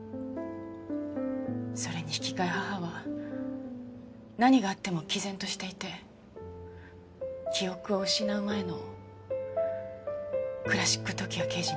それに引き換え母は何があっても毅然としていて記憶を失う前のクラシック時矢刑事に似てる気が。